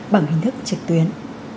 bằng hình thức trực tuyến